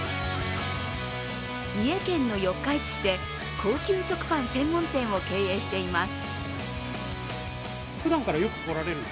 三重県の四日市市で高級食パン専門店を経営しています。